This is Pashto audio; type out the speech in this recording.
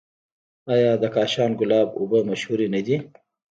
آیا د کاشان ګلاب اوبه مشهورې نه دي؟